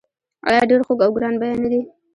آیا ډیر خوږ او ګران بیه نه دي؟